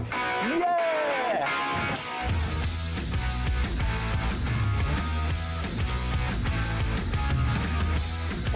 เยี่ยม